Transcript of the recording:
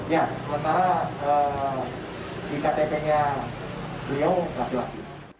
ya sementara di ktp nya pria laki laki